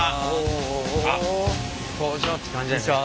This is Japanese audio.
あっ工場って感じやね。